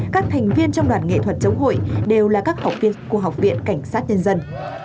các thành viên trong đoàn nghệ thuật chống hội đều là các học viên của học viện cảnh sát nhân dân